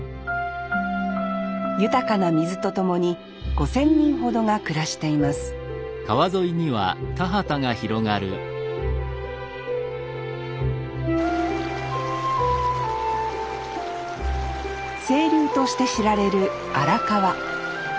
豊かな水と共に５，０００人ほどが暮らしています清流として知られる荒川。